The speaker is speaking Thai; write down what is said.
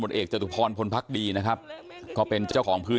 แม่ไม่อยากเชื่อ